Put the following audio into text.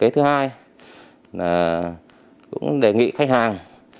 thứ hai cũng đề nghị khách hàng